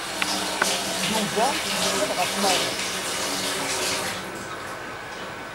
Yuba yettkal ɣef Mary.